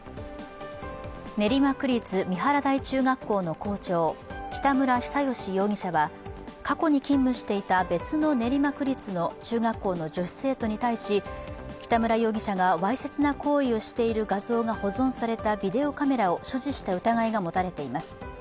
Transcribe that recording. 練馬区立三原台中学校の校長、北村比左嘉容疑者は過去に勤務していた別の練馬区立の中学校の女子生徒に対し北村容疑者がわいせつな行為をしている画像が保存されたビデオカメラを所持した疑いが持たれています